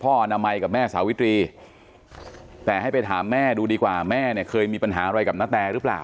อนามัยกับแม่สาวิตรีแต่ให้ไปถามแม่ดูดีกว่าแม่เนี่ยเคยมีปัญหาอะไรกับนาแตหรือเปล่า